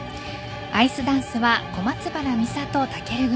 アイスダンスは小松原美里、尊組。